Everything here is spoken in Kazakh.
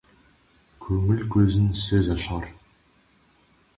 Көңіл көзін сөз ашар.